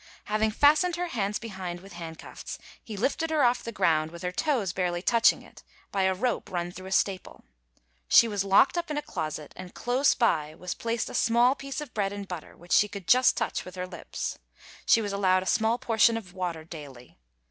Having fastened her hands behind with handcuffs, he lifted her off the ground, with her toes barely touching it, by a rope run through a staple. She was locked up in a closet, and close by was placed a small piece of bread and butter, which she could just touch with her lips. She was allowed a small portion of water daily.